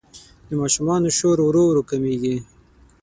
د ماشومانو شور ورو ورو کمېږي.